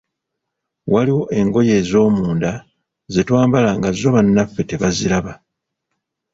Waliwo engoye ezoomunda ze twambala nga zo bannaffe tebaziraba.